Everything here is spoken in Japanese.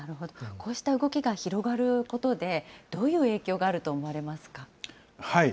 こうした動きが広がることで、どういう影響があると思われますか。